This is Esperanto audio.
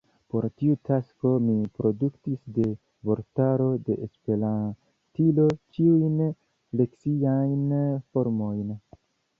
Por tiu tasko mi produktis de vortaro de Esperantilo ĉiujn fleksiajn formojn.